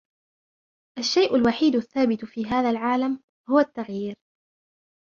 الشيء الوحيد الثابت في هذا العالم هو التغيير.